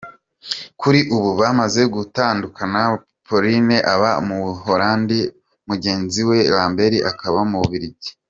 Kuri ubu bamaze gutandukana Paulin aba mu Buhorandi mugenzi we Lambert akaba mu Bubiligi.